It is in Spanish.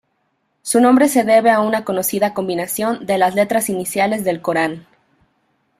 Su nombre se debe a una conocida combinación de las letras iniciales del Corán.